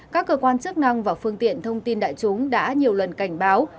các cơ quan chức năng và phương tiện thông tin đại chúng đã nhiều lần cảnh báo